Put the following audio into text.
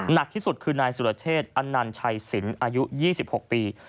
หนักที่สุดคือนายสุรเชษอันนันชัยศิลป์อายุ๒๖ปี